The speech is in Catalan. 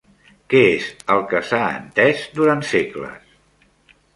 Què és el que s'ha entès durant segles?